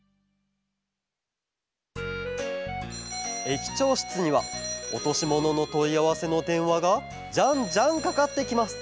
駅長しつにはおとしもののといあわせのでんわがじゃんじゃんかかってきます